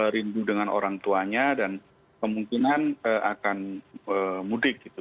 rindu dengan orang tuanya dan kemungkinan akan mudik gitu